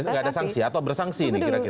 nggak ada sanksi atau bersangsi ini kira kira